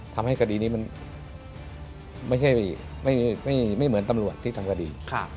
ทำให้คดีนี้มันไม่เหมือนตำรวจที่ทำคดี